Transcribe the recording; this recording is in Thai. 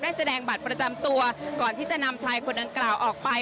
แสดงบัตรประจำตัวก่อนที่จะนำชายคนดังกล่าวออกไป